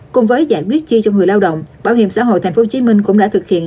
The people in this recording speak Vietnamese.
cùng với giải quyết chi cho người lao động bảo hiểm xã hội tp hcm cũng đã thực hiện